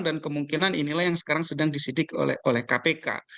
dan kemungkinan inilah yang sekarang sedang disidik oleh kpk